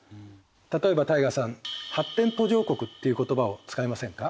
例えば汰雅さん発展途上国っていう言葉を使いませんか？